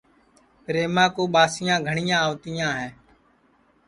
پریماں کُو ٻاسیاں گھٹؔیاں آوتیاں ہے